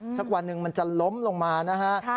สักวันหนึ่งมันจะล้มลงมานะฮะ